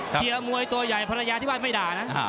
เชียร์มวยตัวใหญ่ภรรยาที่บ้านไม่ด่านะ